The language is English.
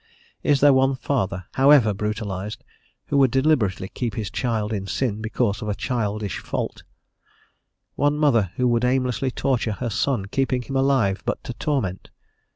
Is there one father, however brutalized, who would deliberately keep his child in sin because of a childish fault? one mother who would aimlessly torture her son, keeping him alive but to torment?